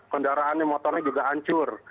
kendaraannya motornya juga hancur